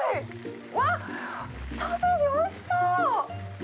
わっ、ソーセージ、おいしそう！